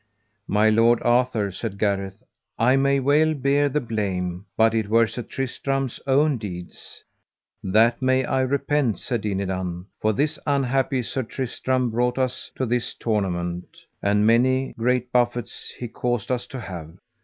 My lord Arthur, said Gareth, I may well bear the blame, but it were Sir Tristram's own deeds. That may I repent, said Dinadan, for this unhappy Sir Tristram brought us to this tournament, and many great buffets he caused us to have.